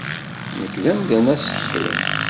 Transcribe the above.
Nekk d amdan aṣeḥḥi.